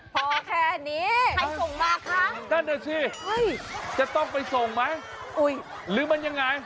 พอแค่นี้แต่เดี๋ยวสิจะต้องไปส่งไหมหรือมันยังไง